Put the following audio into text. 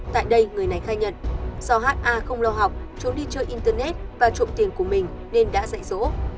tại đây người này khai nhận do ha không lo học chúng đi chơi internet và trộm tiền của mình nên đã dạy dỗ